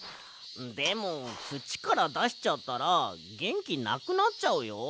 でもつちからだしちゃったらげんきなくなっちゃうよ。